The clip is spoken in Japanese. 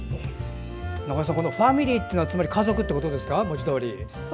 中江さん「ファミリー」ってことは家族ってことですか、文字どおり。